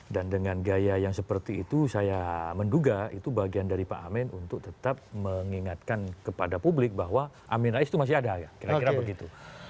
dengan gaya yang seperti itu saya menduga itu bagian dari pak amin untuk tetap mengingatkan kepada publik bahwa amin rais itu masih ada kira kira begitu